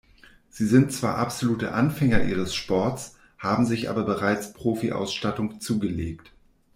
Sie sind zwar absolute Anfänger ihres Sports, haben sich aber bereits Profi-Ausstattung zugelegt.